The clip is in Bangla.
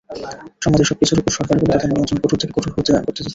সমাজের সবকিছুর ওপর সরকারগুলো তাদের নিয়ন্ত্রণ কঠোর থেকে কঠোর করতে যাচ্ছে।